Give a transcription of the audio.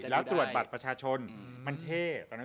แล้วตรวจบัตรประชาชนมันเท่